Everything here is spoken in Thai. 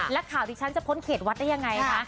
แล้วข่าวที่ฉันจะพ้นเขตวัดได้ยังไงคะ